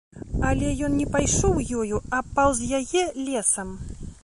Але ён не пайшоў ёю, а паўз яе лесам.